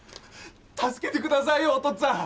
助けて下さいお父っつぁん。